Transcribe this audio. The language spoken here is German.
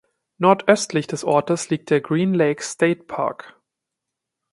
Nordöstlich des Ortes liegt der Green Lakes State Park.